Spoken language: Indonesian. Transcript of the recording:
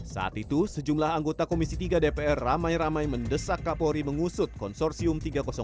saat itu sejumlah anggota komisi tiga dpr ramai ramai mendesak kapolri mengusut konsorsium tiga ratus dua